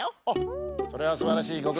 あっそれはすばらしい。